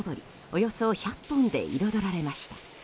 およそ１００本で彩られました。